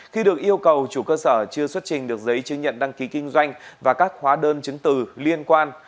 khi được yêu cầu chủ cơ sở chưa xuất trình được giấy chứng nhận đăng ký kinh doanh và các hóa đơn chứng từ liên quan